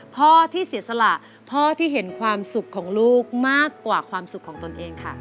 พ่อที่เสียสละพ่อที่เห็นความสุขของลูกมากกว่าความสุขของตนเองค่ะ